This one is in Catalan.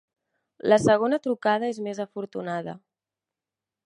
La segona trucada és més afortunada.